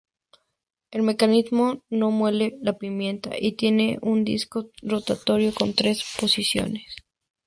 El mecanismo no muele la pimienta y tiene un disco rotatorio con tres posiciones.